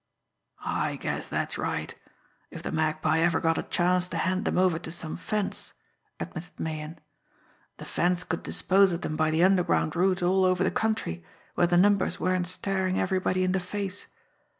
"I guess that's right if the Magpie ever got a chance to hand them over to some fence," admitted Meighan. "The fence could dispose of them by the underground route all over the country where the numbers weren't staring everybody in the face.